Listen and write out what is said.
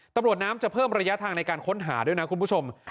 ตำรวจน้ำจะเพิ่มระยะทางในการค้นหาด้วยนะคุณผู้ชม